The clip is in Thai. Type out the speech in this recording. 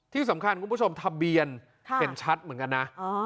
ที่สำคัญคุณผู้ชมทะเบียนเห็นชัดเหมือนกันนะ